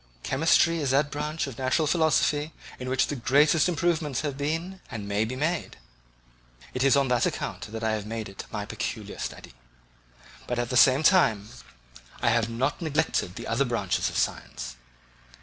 Chemistry is that branch of natural philosophy in which the greatest improvements have been and may be made; it is on that account that I have made it my peculiar study; but at the same time, I have not neglected the other branches of science.